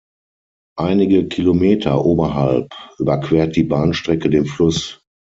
Einige Kilometer oberhalb überquert die Bahnstrecke den Fluss.